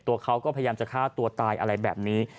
ตัวเขาก็พยายามจะฆ่าตัวตายอะไรแบบนี้